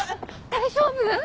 大丈夫？